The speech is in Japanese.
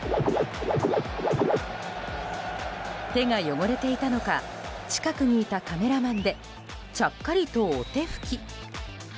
手が汚れていたのか近くにいたカメラマンでちゃっかりとお手拭き。